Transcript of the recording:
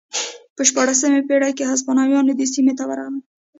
په شپاړسمې پېړۍ کې هسپانویان دې سیمې ته ورغلل.